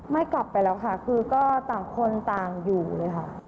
ไม่กลับไปแล้วค่ะคือก็ต่างคนต่างอยู่เลยค่ะ